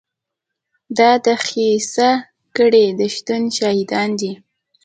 دا د خبیثه کړۍ د شتون شاهدان دي.